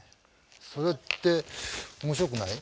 それって面白くない？